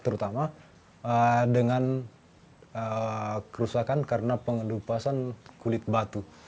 terutama dengan kerusakan karena pengelupasan kulit batu